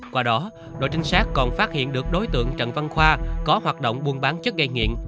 qua đó đội trinh sát còn phát hiện được đối tượng trần văn khoa có hoạt động buôn bán chất gây nghiện